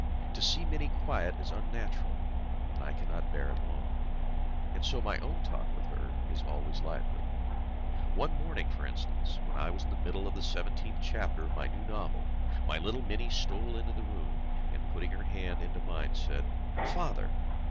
To see Mini quiet is unnatural, and I cannot bear it long. And so my own talk with her is always lively. One morning, for instance, when I was in the midst of the seventeenth chapter of my new novel, my little Mini stole into the room, and putting her hand into mine, said: "Father!